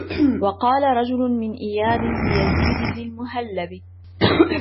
وَقَالَ رَجُلٌ مِنْ إيَادٍ لِيَزِيدَ بْنِ الْمُهَلَّبِ